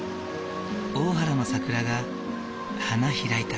大原の桜が花開いた。